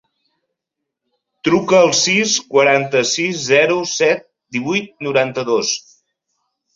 Truca al sis, quaranta-sis, zero, set, divuit, noranta-dos.